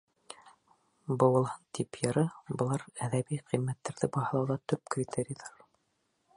Быуылһын тип йыры, Былар — әҙәби ҡиммәттәрҙе баһалауҙа төп критерийҙар.